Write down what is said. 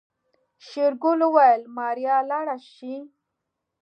شېرګل وويل ماريا لاړه شي.